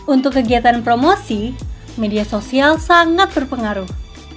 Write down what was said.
untuk kegiatan promosi media sosial sangat berpengaruh